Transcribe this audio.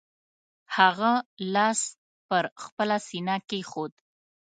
هغه لاس پر خپله سینه کېښود.